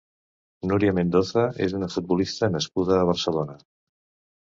Núria Mendoza és una futbolista nascuda a Barcelona.